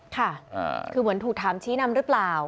ค่ะคือเหมือนถูกถามชี้นำหรือเปล่า